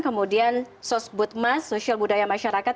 kemudian sosbutmas sosial budaya masyarakat